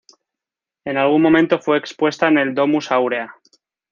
En algún momento fue expuesta en la "Domus Aurea".